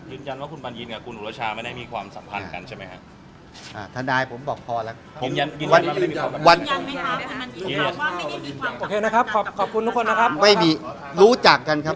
ยืนยันว่าคุณบัญญินกับคุณอุรชาไม่ได้มีความสัมพันธ์กันใช่ไหมครับ